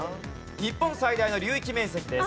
日本最大の流域面積です。